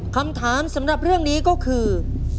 คำถามสำหรับเรื่องนี้ก็คือ